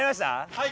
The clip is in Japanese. はい。